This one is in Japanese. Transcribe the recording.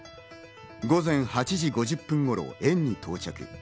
午前８時５０分頃、園に到着。